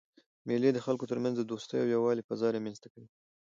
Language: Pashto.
مېلې د خلکو ترمنځ د دوستۍ او یووالي فضا رامنځ ته کوي.